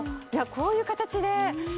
こういう形で。